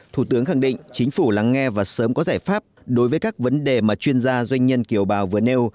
thủ tướng khẳng định chính phủ lắng nghe và sớm có giải pháp đối với các vấn đề mà chuyên gia doanh nhân kiểu bào vừa nêu